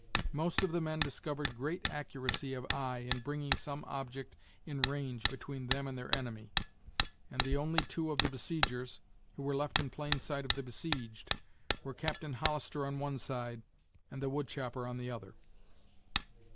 Most of the men discovered great accuracy of eye in bringing some object in range between them and their enemy, and the only two of the besiegers, who were left in plain sight of the besieged, were Captain Hollister on one side, and the wood chopper on the other.